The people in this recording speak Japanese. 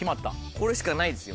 これしかないですよ